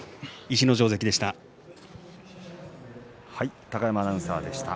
逸ノ城関でした。